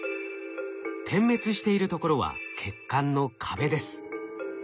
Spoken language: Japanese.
点滅しているところは血管の壁です。